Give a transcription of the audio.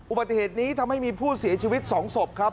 อุบัติเหตุนี้ทำให้มีผู้เสียชีวิต๒ศพครับ